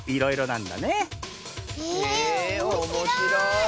へえおもしろい！